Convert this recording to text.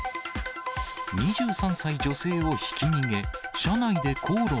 ２３歳女性をひき逃げ。